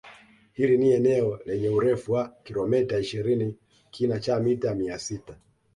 Hili ni eneo lenye urefu wa kilometa ishirini kina cha mita mia sita